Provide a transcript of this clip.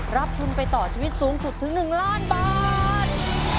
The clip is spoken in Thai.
รับทุนไปต่อชีวิตสูงสุดถึง๑ล้านบาท